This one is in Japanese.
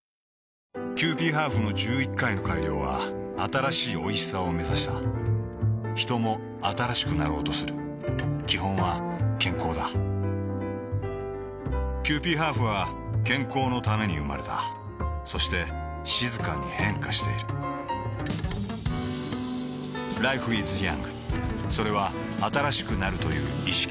キユーピーハーフの１１回の改良は新しいおいしさをめざしたヒトも新しくなろうとする基本は健康だキユーピーハーフは健康のために生まれたそして静かに変化しているＬｉｆｅｉｓｙｏｕｎｇ．それは新しくなるという意識